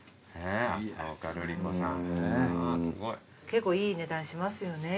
結構いい値段しますよね。